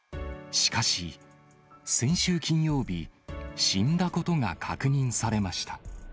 しかし、先週金曜日、死んだことが確認されました。